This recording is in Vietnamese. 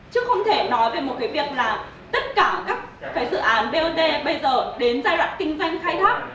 chứ không thể nói về một cái việc là tất cả các dự án bot bây giờ đến giai đoạn kinh doanh khai thác